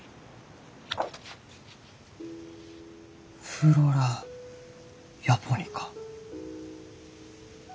「フロラ・ヤポニカ」。